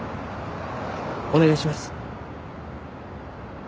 お願いします。